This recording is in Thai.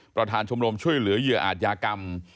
ประธานชมรมช่วยเหลือเหยื่ออาจยากรรม